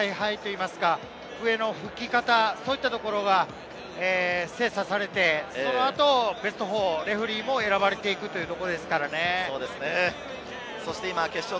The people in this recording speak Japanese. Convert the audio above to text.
予選プールの采配といいますか、笛の吹き方、そういったところが精査されて、その後はベスト４、レフェリーも選ばれていくということですからね。